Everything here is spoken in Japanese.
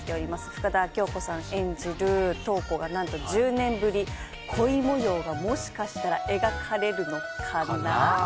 深田恭子さん演じる瞳子がなんと１０年ぶり恋もようがもしかしたら描かれるのかな。